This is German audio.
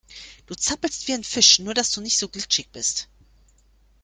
Du zappelst wie ein Fisch, nur dass du nicht so glitschig bist.